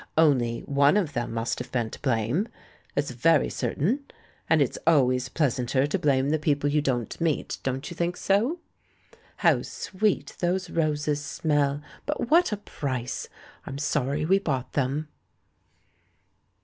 Only one of them must have been to blame, it's very certain; and it's always pleasanter to blame the people you don't meet ; don't you think so ? How sweet those roses smell, but what a price! I'm sorry we bought them."